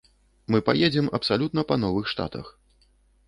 Мы паедзем абсалютна па новых штатах.